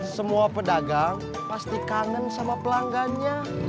semua pedagang pasti kangen sama pelanggannya